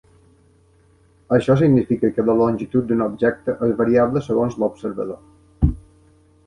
Això significa que la longitud d'un objecte és variable segons l'observador.